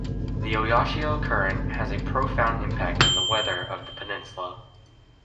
The Oyashio Current has a profound impact on the weather of the peninsula.